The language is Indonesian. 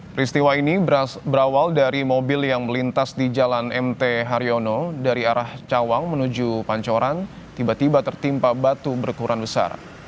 peristiwa ini berawal dari mobil yang melintas di jalan mt haryono dari arah cawang menuju pancoran tiba tiba tertimpa batu berukuran besar